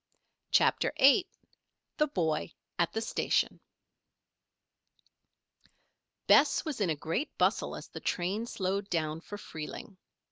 CHAPTER VIII THE BOY AT THE STATION Bess was in a great bustle as the train slowed down for Freeling.